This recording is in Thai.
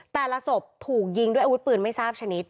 แต่ละศพถูกยิงด้วยอาวุธปืนไม่ทราบชนิด